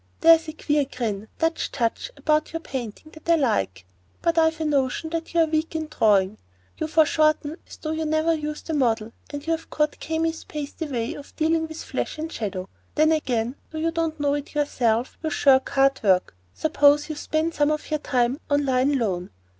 There's a queer grim, Dutch touch about your painting that I like; but I've a notion that you're weak in drawing. You foreshorten as though you never used the model, and you've caught Kami's pasty way of dealing with flesh in shadow. Then, again, though you don't know it yourself, you shirk hard work. Suppose you spend some of your time on line alone.